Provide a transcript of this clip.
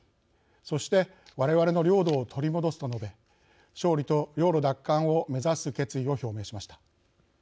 そしてわれわれの領土を取り戻す」と述べ、勝利と領土奪還を目指す決意を表明しました。